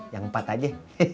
yang empat aja